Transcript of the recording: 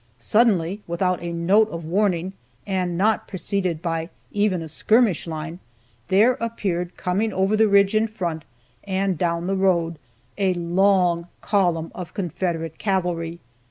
Suddenly, without a note of warning, and not preceded by even a skirmish line, there appeared coming over the ridge in front, and down the road, a long column of Confederate cavalry!